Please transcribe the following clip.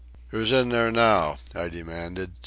"Who's in there now?" I demanded.